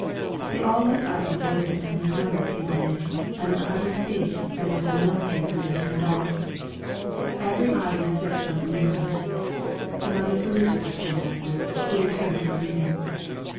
They all looked up when Oyvind and his mother came in, and the clatter ceased as if the mill stream had been turned off. Every eye was fixed on the new comers; the mother saluted the school master, who returned her greeting.